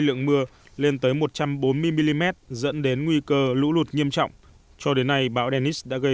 lượng mưa lên tới một trăm bốn mươi mm dẫn đến nguy cơ lũ lụt nghiêm trọng cho đến nay bão dennis đã gây